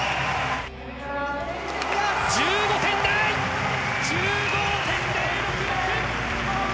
１５点台。１５．０６６。